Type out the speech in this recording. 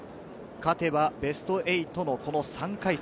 勝てばベスト８のこの３回戦。